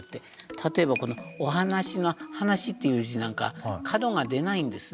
例えばこの「お話」の「話」っていう字なんか角が出ないんですね。